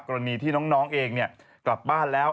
กรณีที่น้องเองกลับบ้านแล้ว